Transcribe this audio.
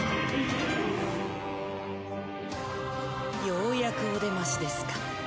ようやくお出ましですか。